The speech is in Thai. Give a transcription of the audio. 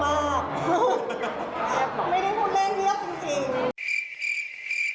ไม่ได้พูดเล่นเยอะจริง